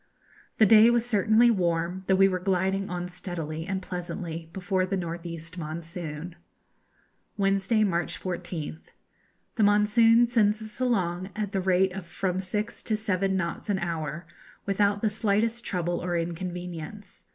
The day was certainly warm, though we were gliding on steadily and pleasantly before the north east monsoon. Wednesday, March 14th. The monsoon sends us along at the rate of from six to seven knots an hour, without the slightest trouble or inconvenience.